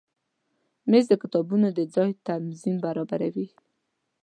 مېز د کتابونو د ځای تنظیم برابروي.